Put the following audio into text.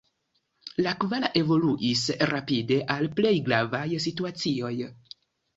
La kvar evoluis rapide al plej gravaj situacioj.